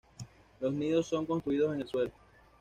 Los nidos son construidos en el suelo.